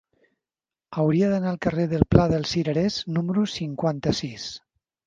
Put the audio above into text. Hauria d'anar al carrer del Pla dels Cirerers número cinquanta-sis.